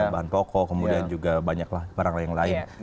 bahan bahan toko kemudian juga banyaklah barang lain lain